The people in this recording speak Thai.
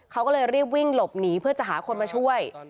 เขาก็เลยรีบวิ่งหลบหนีเพื่อจะหาคนมาช่วย